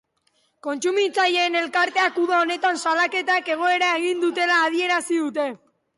Kontsumitzaileen elkarteek uda honetan salaketek gora egin dutela adierazi dute.